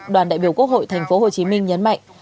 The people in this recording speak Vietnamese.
đoàn đại biểu quốc hội tp hcm nhấn mạnh